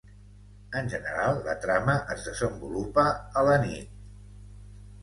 En general, la trama es desenvolupa a la nit.